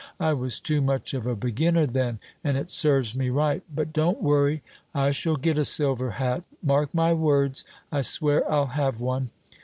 I was too much of a beginner then, and it serves me right. But don't worry, I shall get a silver hat. Mark my words, I swear I'll have one.